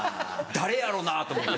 誰やろうな？と思って。